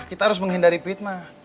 kita harus menghindari fitnah